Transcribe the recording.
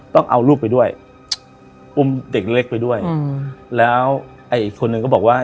ต้องเอาลูกไปด้วยอุ้มเด็กเล็กไปด้วยอืมแล้วไอ้อีกคนนึงก็บอกว่า